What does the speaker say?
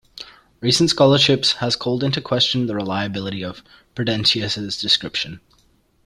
Recent scholarship has called into question the reliability of Prudentius' description.